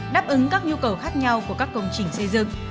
đáp ứng các nhu cầu khác nhau của các công trình xây dựng